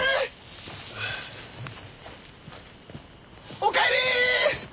お帰りっ！